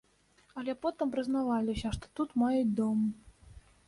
Але потым прызнаваліся, што тут маюць дом.